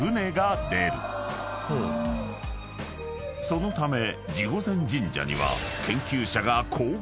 ［そのため地御前神社には］